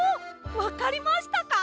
わかりましたか？